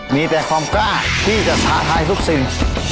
มีแต่ความกล้าที่จะท้าทายทุกสิ่ง